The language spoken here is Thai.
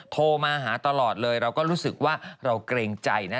โทรมาหาตลอดเลยเราก็รู้สึกว่าเราเกรงใจนะ